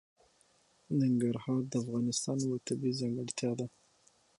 ننګرهار د افغانستان یوه طبیعي ځانګړتیا ده.